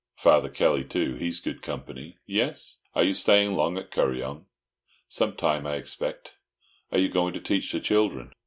"Father Kelly, too. He's good company." "Yes?" "Are you staying long at Kuryong?" "Some time, I expect." "Are you going to teach the children?"